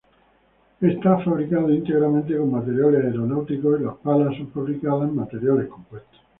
Está fabricado íntegramente con materiales aeronáuticos y las palas son fabricadas en materiales compuestos.